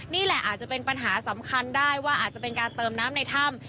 นี่แหละอาจจะเป็นปัญหาสำคัญได้ว่าอาจจะเป็นการเติมน้ำในถ้ำ